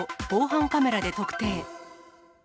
防犯カメラで特定。